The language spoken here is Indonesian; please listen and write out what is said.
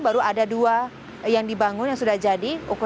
baru ada dua yang dibangun yang sudah jadi ukurannya empat lima x empat lima meter